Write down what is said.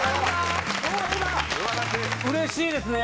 うれしいですね。